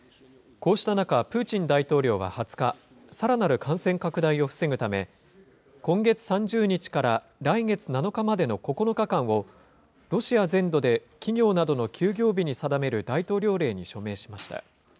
こうした中、プーチン大統領は２０日、さらなる感染拡大を防ぐため、今月３０日から来月７日までの９日間を、ロシア全土で企業などの休業日に定める大統領令に署名しました。